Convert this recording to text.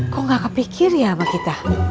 ko nggak kepikir ya sama kita